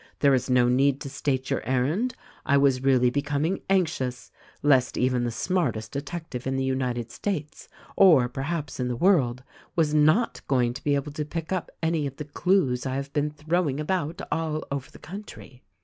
There is no need to state your errand. I was really becoming anx ious lest even the smartest detective in the United States — or perhaps in the world — was not going to be able to pick up any of the clues I have been throwing about all over the country.'